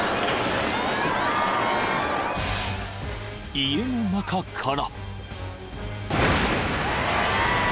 ［家の中から］